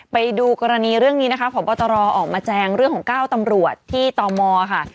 ไปดูกรณีเรื่องนี้นะคะพบตรออกมาแจงเรื่องของ๙ตำรวจที่ตมค่ะ